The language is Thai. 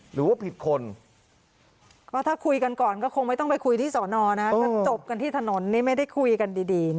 หรือว่าผิดคน